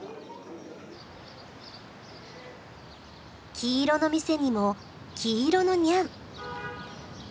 黄色の店にも黄色のニャン。